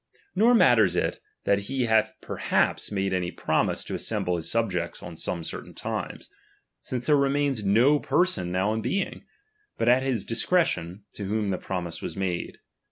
Nor matters it, that he hath perhaps made any promise to as semble his subjects on some certain times ; since there remains no person now in being, but at his DOMINION'. lO;> discretion, to whom the promise was made.